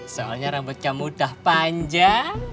soalnya rambutnya mudah panjang